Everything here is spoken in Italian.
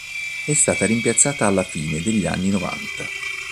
È stata rimpiazzata alla fine degli anni novanta.